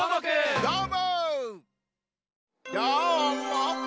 どうも！